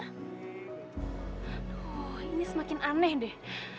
aduh ini semakin aneh deh